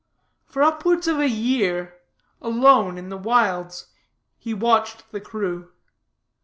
For upwards of a year, alone in the wilds, he watched the crew.